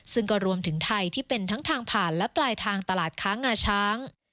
ซึ่งก็รวมถึงไทยที่เป็นทั้งทางผ่านและปลายทางตลาดค้างงาช้าง